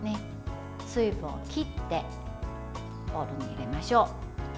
水分を切ってボウルに入れましょう。